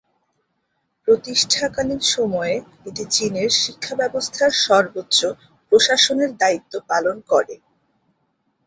প্রতিষ্ঠাকালীন সময়ে এটি চীনের শিক্ষাব্যবস্থার সর্বোচ্চ প্রশাসনের দায়িত্ব পালন করে।